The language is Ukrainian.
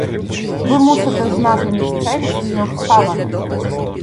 Ви мусите знати місцевість і обставини.